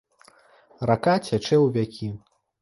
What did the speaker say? Рака цячэ ў вякі.